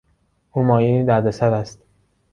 او مایهی دردسر است.